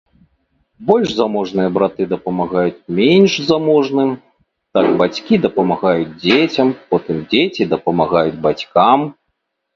Больш заможныя браты дапамагаюць менш заможным, так бацькі дапамагаюць дзецям, потым дзеці дапамагаюць бацькам.